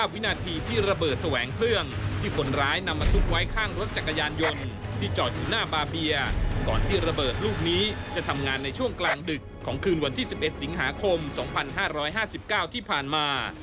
วันนี้จะทำงานในช่วงกลางดึกของคืนวันที่๑๑สิงหาคม๒๕๕๙ที่ผ่านมา